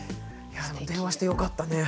いや電話してよかったね。